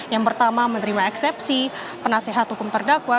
yang pertama menerima eksepsi penasehat hukum terdakwa